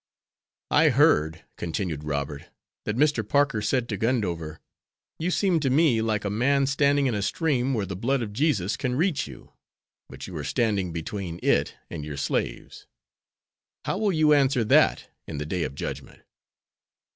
"' I heard, continued Robert, that Mr. Parker said to Gundover, 'You seem to me like a man standing in a stream where the blood of Jesus can reach you, but you are standing between it and your slaves. How will you answer that in the Day of Judgment?'"